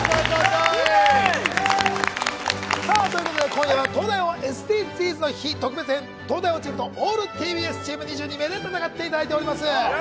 今夜は「東大王」ＳＤＧｓの日、「東大王」チームとオールＴＢＳチーム２２名で戦っていただいています。